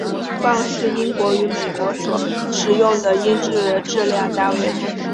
磅是英国与美国所使用的英制质量单位。